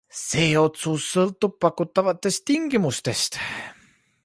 See otsus sõltub pakutavatest tingimustest.